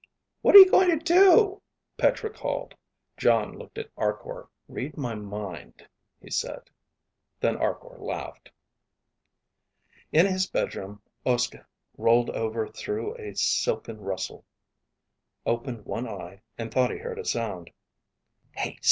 "What are you going to do?" Petra called. Jon looked at Arkor. "Read my mind," he said. Then Arkor laughed. In his bedroom, Uske rolled over through a silken rustle, opened one eye, and thought he heard a sound.